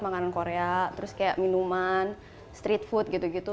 makanan korea terus kayak minuman street food gitu gitu